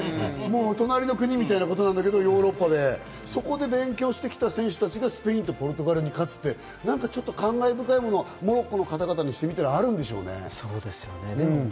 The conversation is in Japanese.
隣の国みたいなものだけれども、ヨーロッパで、そこで勉強してきた選手たちがスペインやポルトガルに勝つっていうのは感慨深いというのはモロッコの方々にしたらあるんでしょうね。